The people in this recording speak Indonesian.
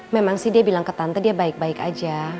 memang sih dia bilang ke tante dia baik baik aja